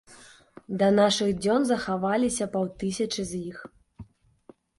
Да нашых дзён захаваліся паўтысячы з іх.